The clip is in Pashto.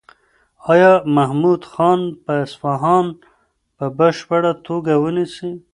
ایا محمود خان به اصفهان په بشپړه توګه ونیسي؟